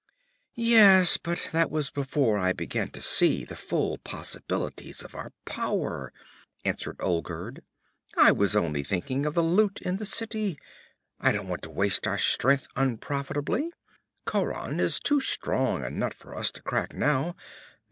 'Yes, but that was before I began to see the full possibilities of our power,' answered Olgerd. 'I was only thinking of the loot in the city. I don't want to waste our strength unprofitably. Khauran is too strong a nut for us to crack now.